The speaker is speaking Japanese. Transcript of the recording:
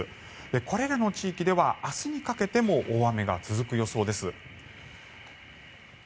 これらの地域では明日にかけても大雨が続く予想です。